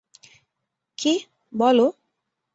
কী, বল?